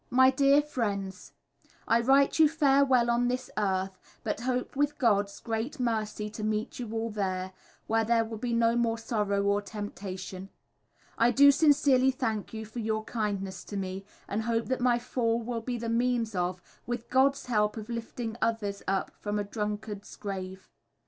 My Dear Friends, I write you farewell on this earth, but hope with gods great mercy to meet you all there, were there will be no more sorrow or temptation. I do sincerely thank you for your kindness to me, and hope that my fall will be the means of, with god's help of lifting others up from a drunkard's grave.